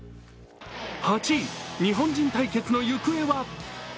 ８位、日本人対決の行方は？